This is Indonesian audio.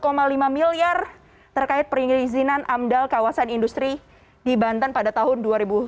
penganggapan satu lima miliar terkait perizinan amdal kawasan industri di banten pada tahun dua ribu tujuh belas